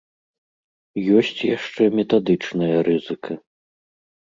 Ёсць яшчэ метадычная рызыка.